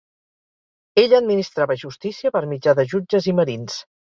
Ella administrava justícia per mitjà de jutges i merins.